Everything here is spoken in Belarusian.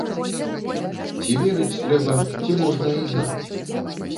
Ці верыць трэба, ці можна і знаць?